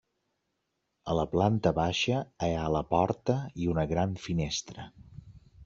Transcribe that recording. A la planta baixa hi ha la porta i una gran finestra.